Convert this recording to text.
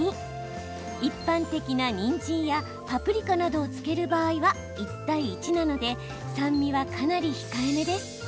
一般的なにんじんやパプリカなどを漬ける場合は１対１なので酸味はかなり控えめです。